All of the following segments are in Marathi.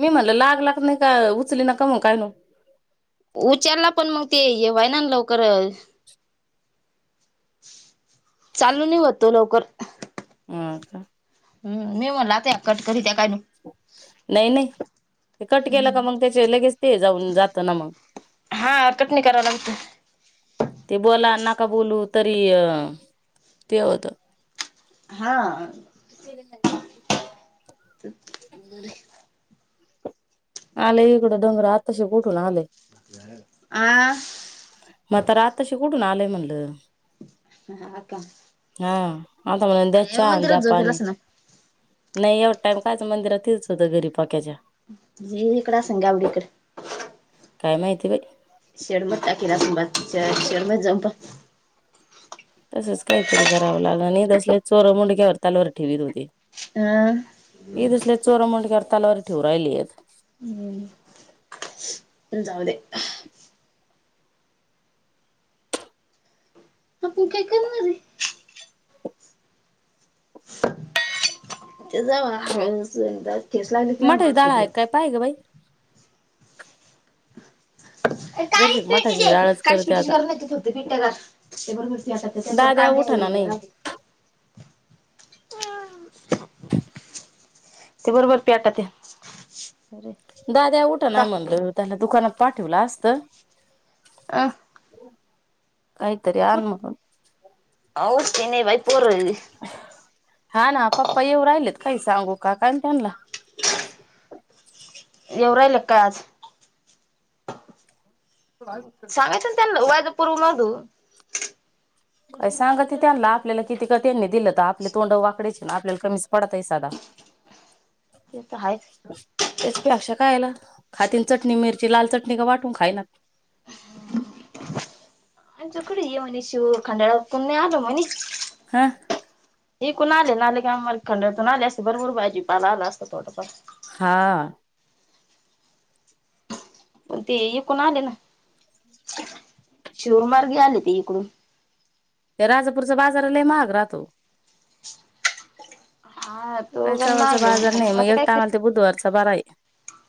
मी म्हणल लाग -लागत नाही का उचली ना क [inaudible] उचलला पण मग ते हे व्हाय ना लवकर चाल नही होत तो लवकर. आं. हम्म मी म्हणल आत कट करीत्या काय नई नाही नाही कट केलं का मग त्याचे लगेच ते जाऊन जात ना मग. हा कट नही कराव लागत. ते बोला नका बोलू तरी अ ते होत. हा. [inaudible] [inaudible] [inaudible] आले इकडं डोंगरा आताशी उठुन आलय. आ. म्हातारं आताशी कुठून आलय म्हणलं. ह, अ का. हा, आता म्हणत्यात च्या आण मंदिरात जा जो पाणी. केलास ना नाही एवढा टाइम का आज मंदिरात तोच होतं घरी पक्याच्या. ही इकडं आसन गावडीकड! काय माहिती बाई! शेड मत टाकील अस शेड मधी जाऊन बस. तसच काहीतरी करावं लाग आणि तस चोरं मुंडक्यावर तलवार ठेवीत होती. आ.. ये दिसल्या चोरा मूंडक्यावर तलवार ठेवू राहिलीयत. हम् जाऊ दे तू काय करणारये ते जाव ह ठेस लागली मठाची मला डाळ आहे सुद्धा. काय ग बाई. जरशी काळीच पेटी मठाशी दे जाळच काळीच करते पेटीची आता, गरज नाही तू फक्त पिट्ट्या कर ते बरोबर पेटत त्याच्यावर दाद्या उठाना नाही? ह [unintelligible] हम [inaudible] ते बरोबर प्या आता ते. दाद्या उठं नाही म्हणलं त्याला दुकानात पाठवलं असत. अ हम् [unintelligible] कुठं, आव उठती नाही बाई पोरनी. हा ना, पप्पा येऊ राहिलेत काय? काही सांगू का काय त्यानं ला येऊ राहिल काय आज? सांगायचं ना त्याना वाज पुरु [unintelligible] काय सांगा की त्यांना आपल्याला किती का त्यांनी दिलं तर आपले तोंड वाकडीच आपल्याला कमीच पडतय सदा. ते तर आहेच तेच प अक्षा कायला, खातील चटणी मिरची लाल चटणी का वाटून खायनात. आणि तु इकडे ये म्हणे शिव खंडाळा पून नाही आलो म्हणे. हां विकून आले नाले का मला खंडातून आले असते भरपूर भाजीपाला आला असत थोडाफार. हां. पण ते इकून आले ना, शिरूरमार्गी आले ते इकडून. ते राजापूरच्या बाजाराला महाग राहतो. हा तो काही घण चवाचा मागेल, बाजार मग नाही आता एक काय टायमाला करते. ते बुधवारचा बारा आहे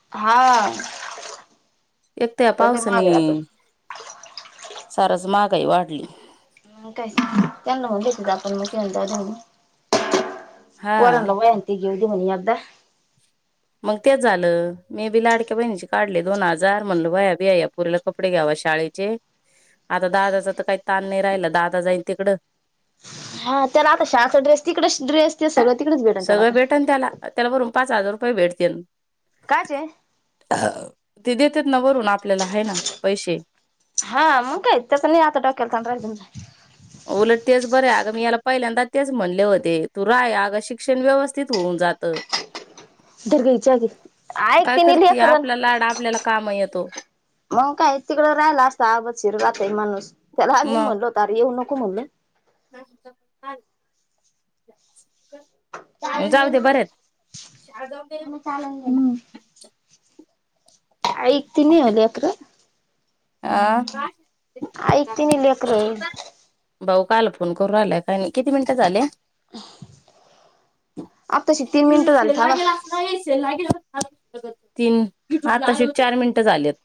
हा एक तर या पहिले पावसाने, मागे आता सारच महागाई वाढली. [inaudible] हा पोरांना वह्या न ते घेवूदे म्हटला एकदा. मग तेच झालं मे बी लाडक्या बहिणीचे काढले दोन हजार म्हणल वह्या, बीया येतं. पुरीला कपडे घ्याव शाळेचे, आता दादाच तर काय ताण नाही राहिला दादा जाईन तिकडं. हा त्याला आता शालाचं ड्रेस तिकडेचं ड्रेस ते सगळे तिकडेच भेटन त्याला सगळं आता. भेटन त्याला त्याला भरून पाच हजार रुपये भेटतील. काचे? ते देतेत ना वरून आपल्याला आहे ना पैसे. हा मग काय त्याचा नाही आता डोक्याला ताप राहिला. उलट तेच बरं अगं मी याला पहिल्यांदा तेच म्हणले होते तू राय अगं शिक्षण व्यवस्थित होऊन जातं. धर ग हिच्या आधी ऐक काय तिने करते लेकरन आपल्यालाड आपल्याला काम येतो. मग काय तिकडं राहिला असता आग शिरलाातय माणूस त्याला आम्ही म्हणलो तर येऊ नको म्हणल. कष्टान आन. जाऊ दे बरे आहेत. चालन गेम मग. ऐक तिन्ही आहे लेकरं. आ. ऐक तनी लेकरं. भाऊ काल फोन करू आलाय काय नाही किती मिनिटं झाले. आताशी तीन मिनिटं एवढस झाली थांबा. लागेला अस. तीन सात अशी चार मिनटं झालेत.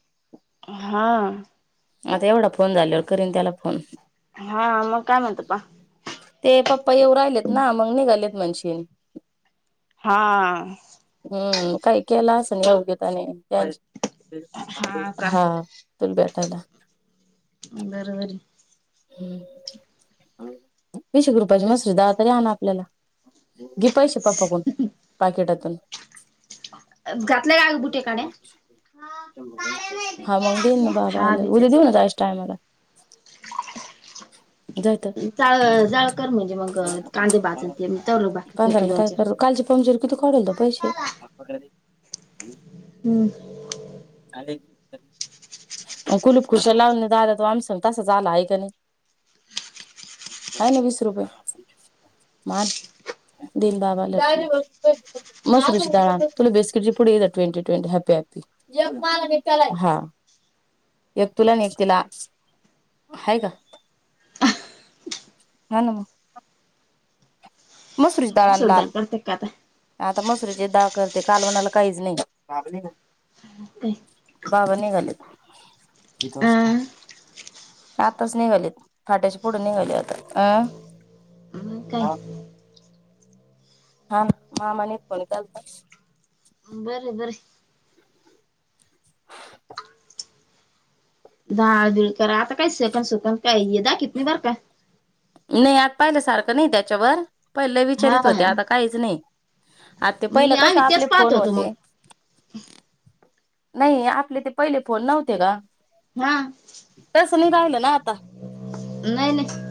हां. आता एवढा फोन झालेवर करीन त्याला फोन. हा मग काय म्हत प ''--'' ते पप्पा येव राहिलेत ना मग निघालेत म्हणशन. हा. हम्म काही केलं अस योग्य त्याने हा. तुल भेटायला. बरोबर. ह विशे रुपाची मस्त धात्रे तरी आण ना आपल्याला. गि पैसे पप्पाकडून पाकिटातून. घातल्या का बुटे काड्या? हा मग देईऊन ना बाबा हा आला उद्या विकच देऊ ना त्यास टायमाला. [inaudible] जय तन जाळ जाळ कर म्हणजे मग कांदे भाजून ते मी तरलो भाकरी पायाला करते या दोन काय चार करू. कालचे पंक्चर किती कढल त पैसे. हम्. आणि. मग कुलूप खुश लावून द तो आम्सून तसां झाला आहे का नाही. आहे ना वीस रुपये म आण. दिन बावाले. [inaudible] मसऱ्याची डाळ आन तुला बिस्कीटचे पुढे ट्वेंटी-ट्वेंटी हॅपी हॅपी. एक तला त्याला हा एकग तुला न तिला आहे का. हा ना. मसरुज दळ आन मसूर लाल. डाळ करते का आता आता मसरीची डाळ करते कालवनाला काहीच नाही. हा दे. बाबा निघालेथ. अ आताच निघाली फाट्याचे पुढून निघाली आता अं. मग काय. हा मामांनी फोन केलता. बर बर. दहा दिळ करा आता काही सेकन सुकण काही दाखित नाही बर का. नाही आता पाहिलं सारखं नाही त्याच्यावर पहिलं हा विचारित होते आता काहीच नाही. आ ते पहिलं मी कस आम्ही आपले तेच पाहत फोन होतो मग होते. नाही आपले ते पहिले फोन नव्हते का? हा तसं नाही राहिलं ना आता नाही नाही.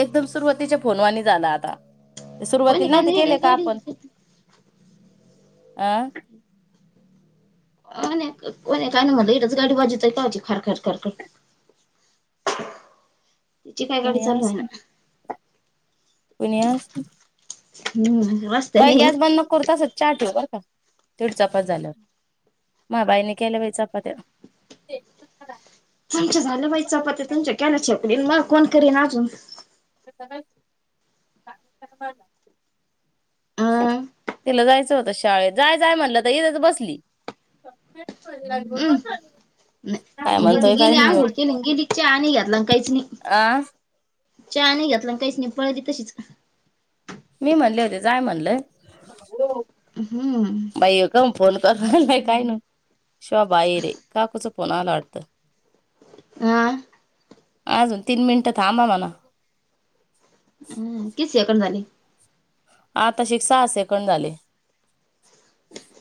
एकदम सुरुवातीच्या फोनवानी झाला आता ते कोणी सुरुवातीला काय नव्हते नाही केले इडच का गाडी आपण आं हो ना कोण आहे काय माहित इथेच गाडी वाजूतय कव्हाचीखार खर खरख. तिची काय गाडी कुणी चालू होय ना. पुन [inaudible] हम्म ब बाई गॅस बंद नको करू तसाच चहा ठेव बरं. तेवढी चपात झाल्यावर म बाईने केल्या बाई चपात्या तुमच्या झाले बाई चपात तुमच्या केला छपडीन माकोण करीन अजून [inaudible] अं तिला जायचं होत शाळेत जाय जाय म्हणलं तर इथेच बसली. भ लाग म हम् दिदी गेली आंघोळ के लिगेली चहा नाही घेतला काहीच नाही. आ चा हानाही घेतला काहीच नाही पळली तशीच मी म्हणले होते जाय म्हणलय. हम्म बाई ए का मग फोन करणार नाही काय ना शिवा बाहेर आहे काकूचं फोन आला वाटतं. हा आजून तिन मिनट थांबा म्हणा. अम किती सेकंद झाली. आता शिक सहा सेकंद झाले.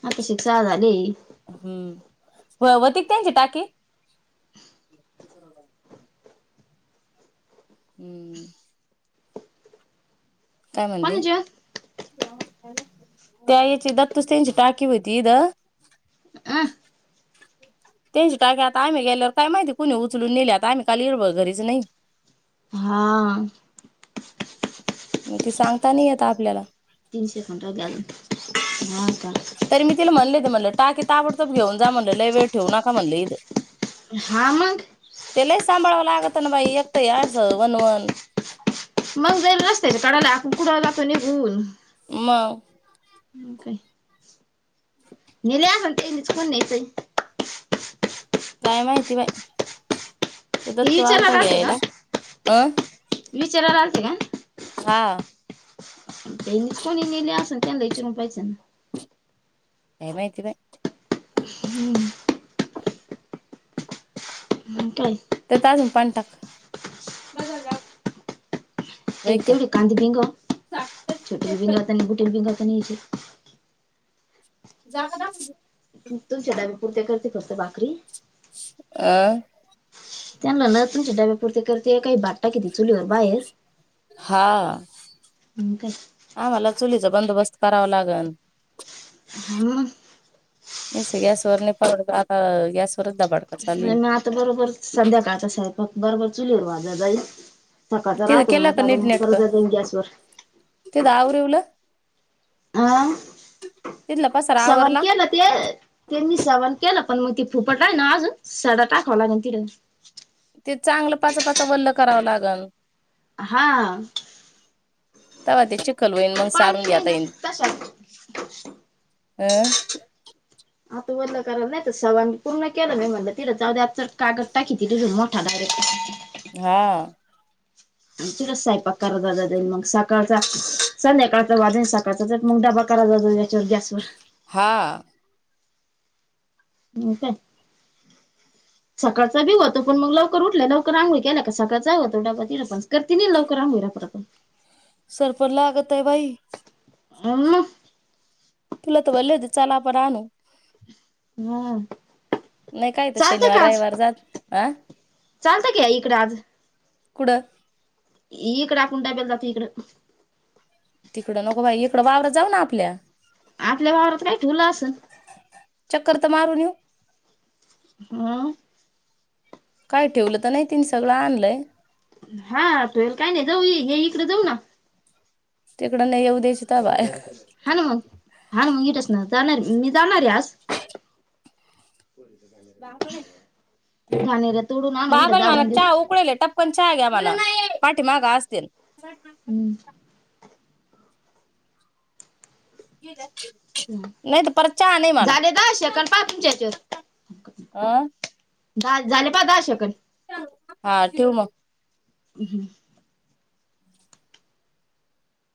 आता शि. सहा झाली. हम्म ववतीक त्यांची टाकी. हम्म काय म्हणले कोणाचे त्या याची दत्तूस त्यांची टाकी होती द अ त्यांची टाकी आता आम्ही गेल्यावर का माहिती कुणी उचल नेलीआमही ईळभर घरीच नाही. हा मग ते सांगता नाही येत आपल्याला तीनशे घंटं गेल हा का? तरी म तिला म्हणलंय ते म्हटलं टाकी ताबडतोब घेऊन जा म्हणलं लय वेळ ठेवू नका म्हणलं इथं. हा मग त्यालाही सांभाळावं लागत ना बाई एकत असं वनवण. मग जाईला नसते काडाला कुडाला जातो निघून. म काय नेल्या म्हणते इच कोण नाहीचय. काय माहिती बाई ते दत् तू आलता घ्यायला हं. विचाराला आलते का? हा त्यांनीच कोणी नेले असेल त्यांना विचारून पाहिजे ना. काय माहिती बाई. मगं काय? ते तज म पाणीटाक म तेवढ कांदे दे ग जागा दाखवली तुमच्या डब्यापुरती करते फक्त भाकरी. आ, त्यांना ना तुमच्या डब्या पुरती करते काही भात टाकीती चुलीवर बाहेर. हा. काय? आम्हाला चुलीचा बंदोबस्त करावा लागण. हम्म. नीसत गॅसवर नाही परवडत आता गॅस नाही मग आता बरोबर संध्याकाळचा स्वयंपाक बरोबर चुलीर व्हाजा जाई सकाळं तिथं राहतो केला मग डबा मग करत जाईन गॅसवर. तेज आवरीवल? आ तिथला पसारा सवन आवरला केल ते ते मी सवण केलं पण मग ती फुफटा आहे ना अजून सडा टाकावं लागल तिथ. ते चांगलं पाचापाचा वल्ल करावं लागल. हा. तवा ते चिखल होईन मग पाणी सारून नाही घेता ना येईन. तशा अ? आता वल्ल कराव नाय तर सवन पूर्ण केलं मी म्हटलं तिड जाऊदया चटका टाकी तिडून मो ठा डायरेक्ट. हा. अन तीडच सायपाक करत जा जाईन मग सकाळचा संध्याकाळचा वाजन सात कचाचाच मग डबा करा जात याच्यावर गॅसवर. हा. मंग काय? [inaudible] सकाळचा बी होतो पण मग लवकर उठल लवकर आंघोळी केल्या का सकाळचा होतो डब्बा तिड पण करती नाही लवकर आंघोळी रपारपा. सरपण लागतय बाई. [inaudible] तुला तर म्हणले होते चल आपण आणू. होय. नाय काय त शनिवार रविवार जात आ? चालतं क्या इकड आज. कुडं? इकड आपण डब्याला जातो इकडं. तिकडं नको बाई इकडं वावरात जाऊ ना आपल्या. आपल्या वावरात काय ठीवलं असंन? चक्कर तर मारून येऊ. [inaudible] काय ठीवलं त नाय तिन सगळं आणलंय. हा तुयेल काय नाय जाऊ हे इकडे जाऊ ना. तिकडं नाय येऊत. हाण मग हाण मग इटच. जाणार मी जाणारे आज. [unintelligible] तोडू आणु येते दाबून देऊ. उकळले टपकन चहा घ्या म्हणा, पाठी माग असतील. हम्. नाही तर परत चहा नाही म्हणा झाले दहा सेकंड पहा तुमच्या आ दहा झाले पा दहा सेकंद? हा ठिव मग. हम्म.